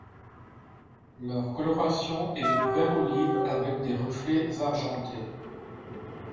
Leur coloration est vert olive avec des reflets argentés.